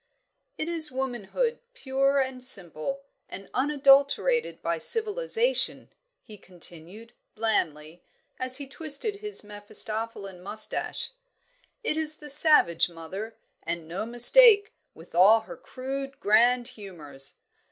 "It is womanhood pure and simple, and unadulterated by civilisation," he continued, blandly, as he twisted his Mephistophelian moustache. "It is the savage mother, and no mistake, with all her crude grand humours.